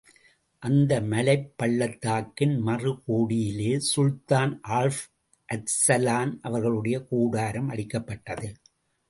அந்த மலைப் பள்ளத்தாக்கின் மறு கோடியிலே சுல்தான் ஆல்ப் அர்சலான் அவர்களுடைய கூடாரம் அடிக்கப்பட்டது.